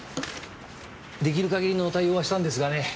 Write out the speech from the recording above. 出来る限りの対応はしたんですがね。